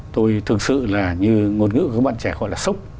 tôi thực sự là như ngôn ngữ của các bạn trẻ gọi là sốc